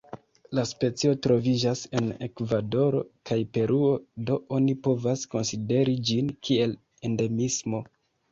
La specio troviĝas en Ekvadoro kaj Peruo, do oni povas konsideri ĝin kiel endemismo.